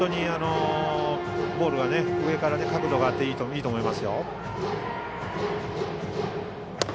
ボールも上から角度があっていいと思いますよ。